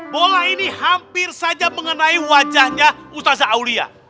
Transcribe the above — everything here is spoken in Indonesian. bola ini hampir saja mengenai wajahnya ustaza aulia